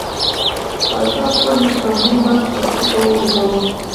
فیصل خپل د کتابونو بکس په ځمکه وغورځاوه.